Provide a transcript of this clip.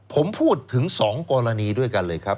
ผมพูดถึง๒กรณีด้วยกันเลยครับ